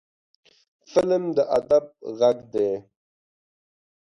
فلم د ادب غږ دی